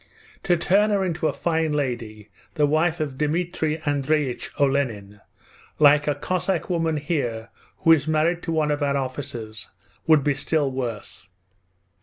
To turn her into a fine lady, the wife of Dmitri Andreich Olenin, like a Cossack woman here who is married to one of our officers, would be still worse.